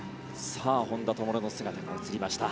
本多灯の姿も映りました。